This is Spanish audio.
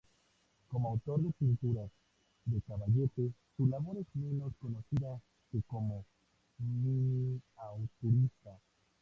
Como autor de pinturas de caballete su labor es menos conocida que como miniaturista.